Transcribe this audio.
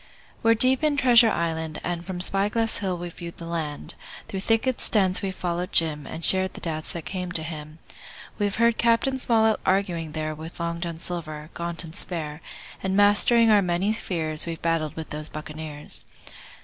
We're deep in Treasure Island, and From Spy Glass Hill we've viewed the land; Through thickets dense we've followed Jim And shared the doubts that came to him. We've heard Cap. Smollett arguing there With Long John Silver, gaunt and spare, And mastering our many fears We've battled with those buccaneers.